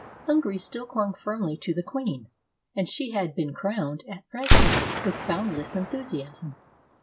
Hungary still clung firmly to the queen, and she had been crowned at Presburg with boundless enthusiasm.